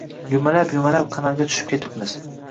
Yumalab-yumalab kanalga tushib ketibmiz